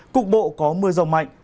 cục bộ có mưa rông mạnh